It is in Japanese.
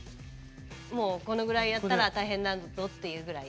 もうこのぐらいやったら大変だぞっていうぐらい。